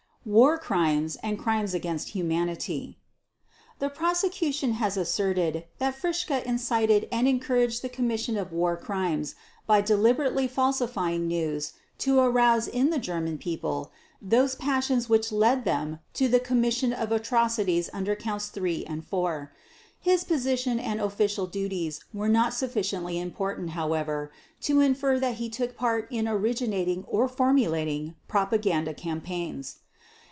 War Crimes and Crimes against Humanity The Prosecution has asserted that Fritzsche incited and encouraged the commission of War Crimes by deliberately falsifying news to arouse in the German People those passions which led them to the commission of atrocities under Counts Three and Four. His position and official duties were not sufficiently important, however, to infer that he took part in originating or formulating propaganda campaigns.